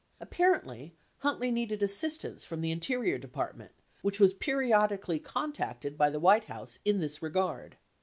Apparently, Huntley needed assistance from the Interior Department, which w T as periodically contacted by the 'White House in this regard.